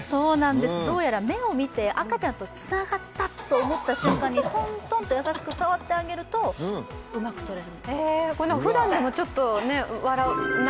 どうやら目を見て赤ちゃんとつながったと思った瞬間にトントンと優しく触ってあげるとうまく撮れる。